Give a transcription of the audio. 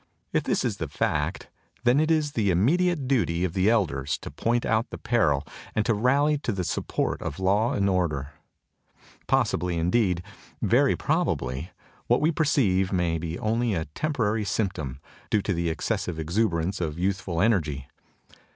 If this is the fact, then it is the immediate duty of the elders to point out the peril and to rally to the support of law and order. Possibly, indeed very prob ably, what we perceive may be only a tem porary symptom, due to the excessive exuber ance of youthful energy.